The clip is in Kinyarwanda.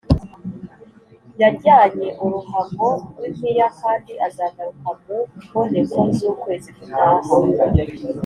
yajyanye uruhago rw’impiya, kandi azagaruka mu mboneko z’ukwezi gutaha”